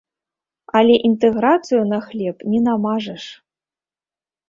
Але інтэграцыю на хлеб не намажаш.